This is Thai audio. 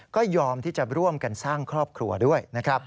ก็ยอมที่จะร่วมกันสร้างครอบครัวด้วยนะครับ